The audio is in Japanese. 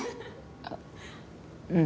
あっうん。